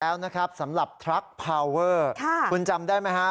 แล้วนะครับสำหรับทรัคพาวเวอร์คุณจำได้ไหมฮะ